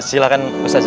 ee ya silahkan ustadznya